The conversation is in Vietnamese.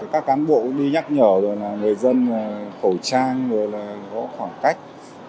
các cán bộ cũng đi nhắc nhở rồi là người dân khẩu trang rồi là có khoảng cách